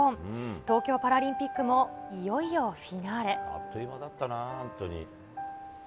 東京パラリンピックもいよいよフィナーレ。